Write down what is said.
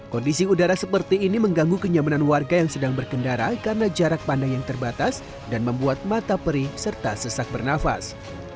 kondisi udara seperti ini mengganggu kenyamanan warga yang sedang berkendara karena jarak pandang yang terbatas dan membuat mata perih serta sesak bernafas